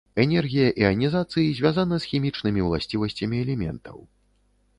Энергія іанізацыі звязана з хімічнымі ўласцівасцямі элементаў.